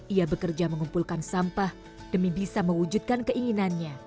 ia bekerja mengumpulkan sampah demi bisa mewujudkan keinginannya